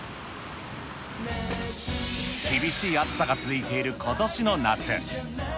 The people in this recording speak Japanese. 厳しい暑さが続いていることしの夏。